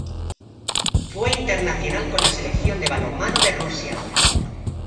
Fue internacional con la Selección de balonmano de Rusia.